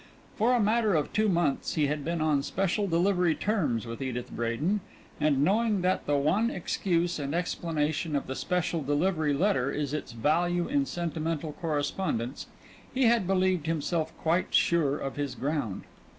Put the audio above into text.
For a matter of two months he had been on special delivery terms with Edith Bradin, and knowing that the one excuse and explanation of the special delivery letter is its value in sentimental correspondence, he had believed himself quite sure of his ground.